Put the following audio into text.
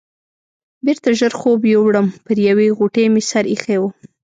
بېرته ژر خوب یووړم، پر یوې غوټې مې سر ایښی و.